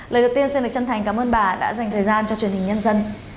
lời đầu tiên xin được chân thành cảm ơn bà đã dành thời gian cho truyền hình nhân dân